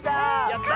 やった！